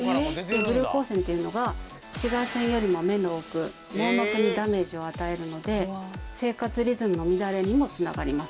ブルー光線っていうのが紫外線よりも目の奥網膜にダメージを与えるので生活リズムの乱れにも繋がります。